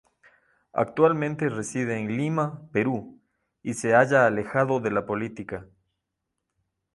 Actualmente reside en Lima, Perú, y se halla alejado de la política.